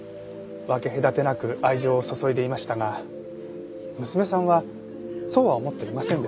分け隔てなく愛情を注いでいましたが娘さんはそうは思っていませんでした。